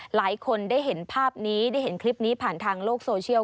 หลายคนได้เห็นภาพนี้ได้เห็นคลิปนี้ผ่านทางโลกโซเชียล